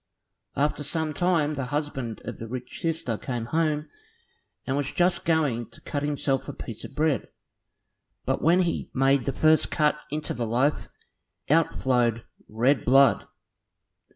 After some time the husband of the rich sister came home, and was just going to cut himself a piece of bread, but when he made the first cut into the loaf, out flowed red blood.